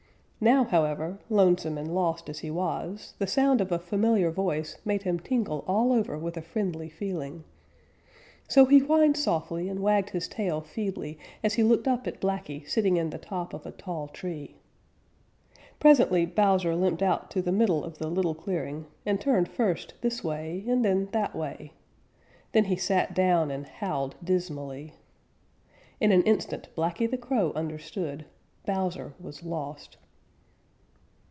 Now, however, lonesome and lost as he was, the sound of a familiar voice made him tingle all over with a friendly feeling. So he whined softly and wagged his tail feebly as he looked up at Blacky sitting in the top of a tall tree. Presently Bowser limped out to the middle of the little clearing and turned first this way and then that way. Then he sat down and howled dismally. In an instant Blacky the Crow understood; Bowser was lost.